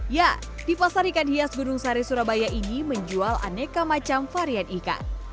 ya di pasar ikan hias gunung sari surabaya ini menjual aneka macam varian ikan